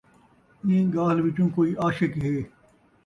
ایں گاٖلھ وچوں، کوئی عاشق ہے